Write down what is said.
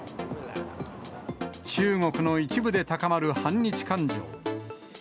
中国の一部で高まる反日感情。